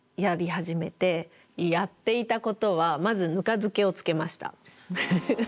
やっていたことはまずぬか漬けを漬けました。